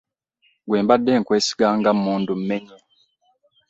Ggwe mbadde nkwesiga nga mmundu mmenye.